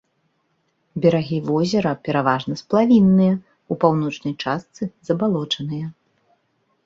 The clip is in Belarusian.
Берагі возера пераважна сплавінныя, у паўночнай частцы забалочаныя.